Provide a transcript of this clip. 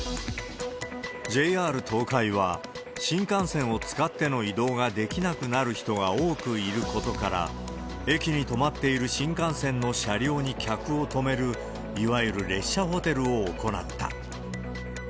ＪＲ東海は、新幹線を使っての移動ができなくなる人が多くいることから、駅に止まっている新幹線の車両に客を泊める、いわゆる列車ホテルを行った。